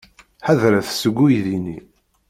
Ḥadret seg uydi-nni!